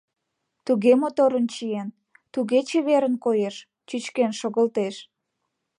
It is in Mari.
Туге моторын чиен, туге чеверын коеш — чӱчкен шогылтеш.